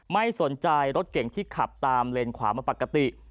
ไม่สนใจรถเก่งที่ขับตามเลนขวามาปกติ